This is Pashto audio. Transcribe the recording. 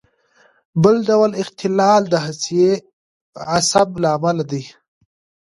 بل ډول اختلال د حسي عصب له امله دی.